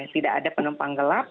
tidak ada penumpang gelap